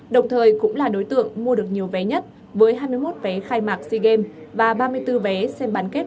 đồng thời cũng là đối tượng mua được nhiều vé nhất với hai mươi một vé khai mạc sea games và ba mươi bốn vé xem bán kết